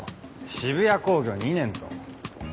渋谷工業２年と。